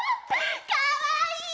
かわいい。